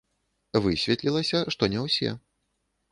Высветлілася, што не ўсе.